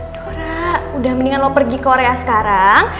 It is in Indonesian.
duh ra udah mendingan lo pergi korea sekarang